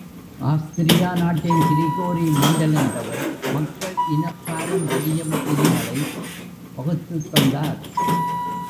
Austria நாட்டின் Gregory Mendel என்பவர், மக்கள் இனப் பாரம்பரியம் விதிகளை வகுத்துத் தந்தார்.